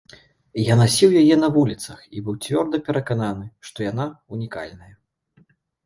Я насіў яе на вуліцах і быў цвёрда перакананы, што яна ўнікальная.